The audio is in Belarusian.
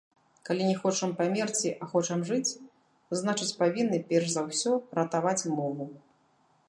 Калі не хочам памерці, а хочам жыць, значыць, павінны перш за ўсё ратаваць мову.